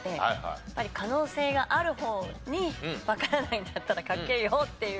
やっぱり可能性がある方にわからないんだったら賭けようっていう。